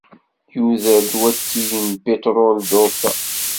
Yuder-d watig n upitṛul dduṛt-a.